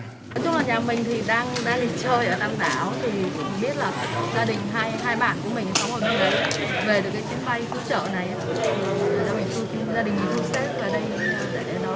nói chung là nhà mình thì đang đi chơi ở nam đảo thì cũng biết là gia đình hai bạn của mình không có người về được cái chuyến bay cứu trợ này